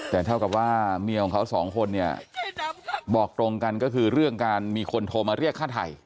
แต่เท่ากับว่าเมียของเขาสองคนเนี่ยบอกตรงกันก็คือเรื่องการมีคนโทรมาเรียกฆ่าไทย